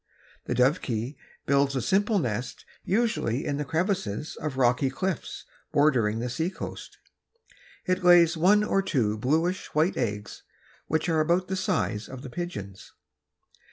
The Dovekie builds a simple nest usually in the crevices of rocky cliffs bordering the sea coast. It lays one or two bluish white eggs which are about the size of the pigeon's.